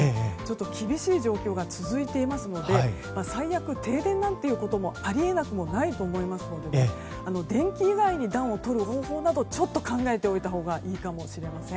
厳しい状況が続いていますので最悪、停電なんていうこともあり得なくもないと思いますので電気以外に暖をとる方法など考えておいたほうがいいかもしれません。